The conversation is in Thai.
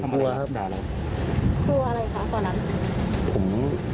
ผมกลัวครับครับ